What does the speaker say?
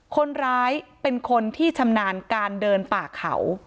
คนร้ายเป็นคนที่ชำนาญการเดินป่าเขา